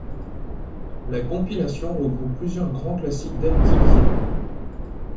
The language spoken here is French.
La compilation regroupe plusieurs grands classiques d'Activision.